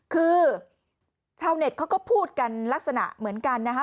คือชาวเน็ตเขาก็พูดกันลักษณะเหมือนกันนะคะ